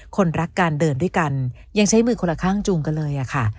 คนรักการเดินด้วยกันยังใช้มือคนละข้างจูงกันเลยอะค่ะ